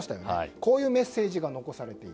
こういうメッセージが残されていた。